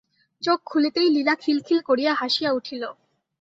চোখ খুলিতেই লীলা খিলখিল করিয়া হাসিয়া উঠিল।